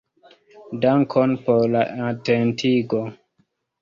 Dankon por la atentigo.